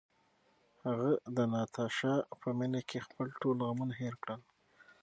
هغه د ناتاشا په مینه کې خپل ټول غمونه هېر کړل.